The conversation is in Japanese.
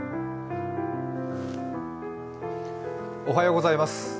おはようございます。